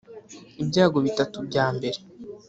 Ibyago bitatu bya mbere